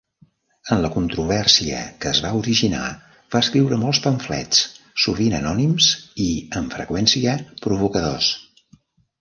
En la controvèrsia que es va originar, va escriure molts pamflets, sovint anònims i, amb freqüència, provocadors.